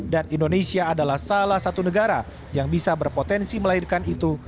dan indonesia adalah salah satu negara yang bisa berpotensi melahirkan itu